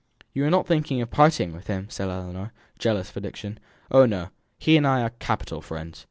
"You are not thinking of parting with him?" said Ellinor, jealous for Dixon. "Oh, no; he and I are capital friends.